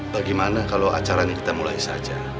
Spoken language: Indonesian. bagaimana kalau acaranya kita mulai saja